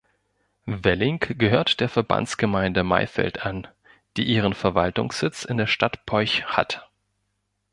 Welling gehört der Verbandsgemeinde Maifeld an, die ihren Verwaltungssitz in der Stadt Polch hat.